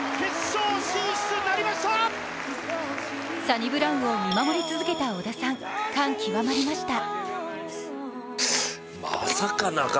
サニブラウンを見守り続けた織田さん、感極まりました。